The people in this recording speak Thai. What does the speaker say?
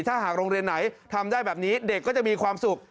ถ้าหากโรงเรียนไหนทำได้แบบนี้เด็กก็จะมีความสุข